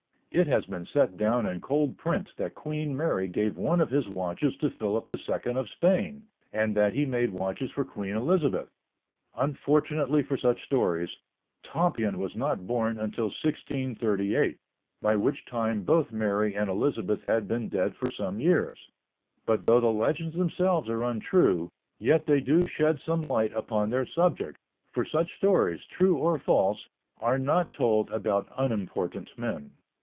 It has been set down in cold print that Queen Mary gave one of his watches to Philip II of Spain, and that he made watches for Queen Elizabeth. Unfortunately for such stories, Tompion was not born until 1638, by which time both Mary and Elizabeth had been dead for some years. But though the legends themselves are untrue, yet they do shed some light upon their subject, for such stories, true or false, are not told about unimportant men.